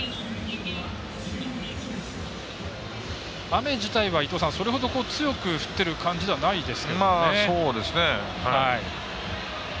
雨自体は、それほど強く降ってる感じじゃそうですよね。